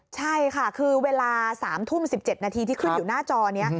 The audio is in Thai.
ใช่ค่ะคือเวลา๓ทุ่ม๑๗นาทีที่ขึ้นอยู่หน้าจอนี้